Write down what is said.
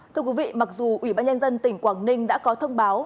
thưa quý vị mặc dù ủy ban nhân dân tỉnh quảng ninh đã có thông báo